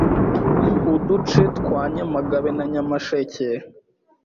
Uduce twa Nyamagabe na Nyamasheke